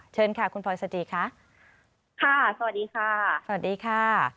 เชิญค่ะคุณพลอยสจิค่ะค่ะสวัสดีค่ะสวัสดีค่ะ